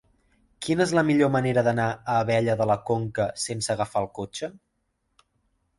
Quina és la millor manera d'anar a Abella de la Conca sense agafar el cotxe?